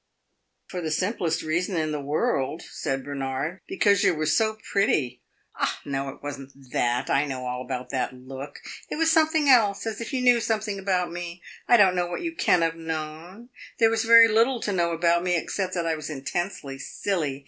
"For the simplest reason in the world," said Bernard. "Because you were so pretty." "Ah no, it was n't that! I know all about that look. It was something else as if you knew something about me. I don't know what you can have known. There was very little to know about me, except that I was intensely silly.